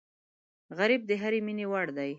غریب د هرې مینې وړ دی